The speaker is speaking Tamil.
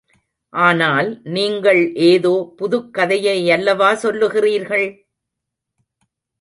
ஆனால் நீங்கள் ஏதோ புதுக்கதையை அல்லவா சொல்லுகிறீர்கள்?